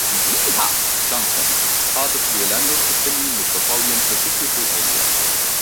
Yeehaw Junction is part of the Orlando-Kissimmee Metropolitan Statistical Area.